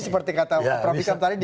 seperti kata pak prabi sam tadi